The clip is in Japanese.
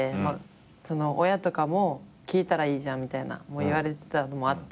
親とかも「聞いたらいいじゃん」みたいな言われてたのもあったし。